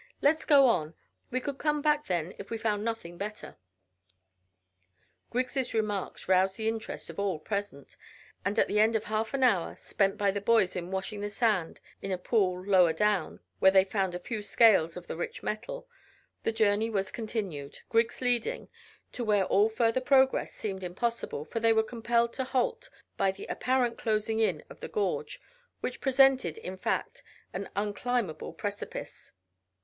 Let's get on. We could come back then if we found nothing better." Griggs' remarks roused the interest of all present, and at the end of half an hour, spent by the boys in washing the sand in a pool lower down, where they found a few scales of the rich metal, the journey was continued, Griggs leading, to where all further progress seemed impossible, for they were compelled to halt by the apparent closing in of the gorge, which presented, in fact, an unclimbable precipice.